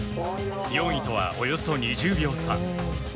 ４位とは、およそ２０秒差。